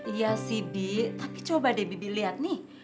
iya sih bi tapi coba deh bibi lihat nih